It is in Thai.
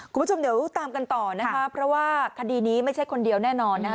คุณผู้ชมเดี๋ยวตามกันต่อนะคะเพราะว่าคดีนี้ไม่ใช่คนเดียวแน่นอนนะคะ